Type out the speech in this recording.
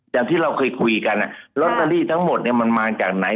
จากที่เราเคยคุยกันลอตเตอรี่ทั้งหมดมันมาจากไหน